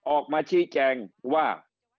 ออกมาชี้แจงว่า